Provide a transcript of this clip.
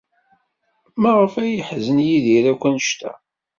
Maɣef ay yeḥzen Yidir akk anect-a?